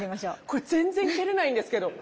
これ全然蹴れないんですけど。